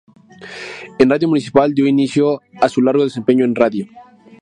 En Radio Municipal dio inicio a su largo desempeño en radio.